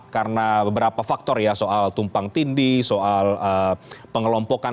karena beberapa faktor ya soal tumpang tindi soal pengelompokan